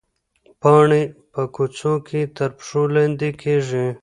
پاڼې په کوڅو کې تر پښو لاندې کېږي.